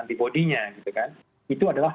antibody nya gitu kan itu adalah